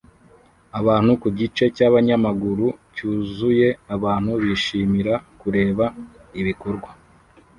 Abantu ku gice cyabanyamaguru cyuzuye abantu bishimira kureba ibikorwa